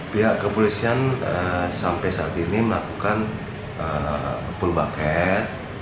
pihak kepolisian sampai saat ini melakukan pulbakat